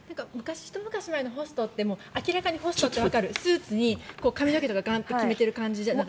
ひと昔のホストって明らかにホストってわかるスーツに髪の毛とか決めてる感じ。